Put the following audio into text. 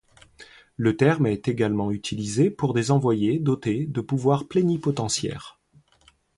Le terme est également utilisé pour des envoyés dotés de pouvoirs plénipotentiaires.